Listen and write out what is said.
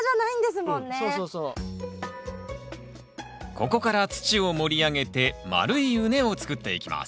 ここから土を盛り上げて丸い畝を作っていきます。